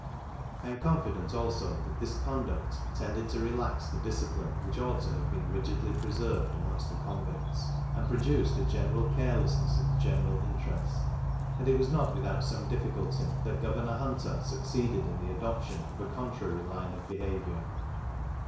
I am confident also that this conduct tended to relax the discipline which ought to have been rigidly preserved amongst the convicts, and produced a general carelessness of the general interest; and it was not without some difficulty that Governor Hunter succeeded in the adoption of a contrary line of behaviour.